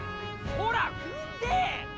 ほら踏んでーー！！